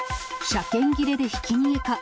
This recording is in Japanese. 車検切れでひき逃げか？